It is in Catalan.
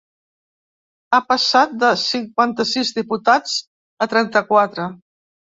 Ha passat de cinquanta-sis diputats a trenta-quatre.